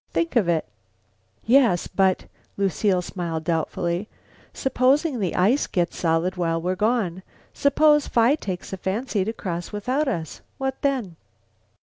Think of it!" "Yes, but," Lucile smiled doubtfully, "supposing the ice gets solid while we're gone. Suppose Phi takes a fancy to cross without us? What then?"